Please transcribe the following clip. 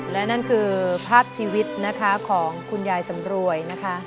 และนั่นคือภาพชีวิตนะคะของคุณยายสำรวยนะคะ